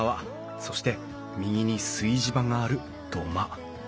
そして右に炊事場がある土間。